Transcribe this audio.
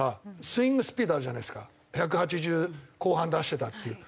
スイングスピードあるじゃないですか１８０後半出してたっていう。